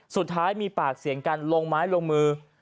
สุดท้ายมีปากเสียงกันลงไม้ลงมือ